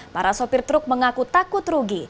para sopir truk mengaku takut rugi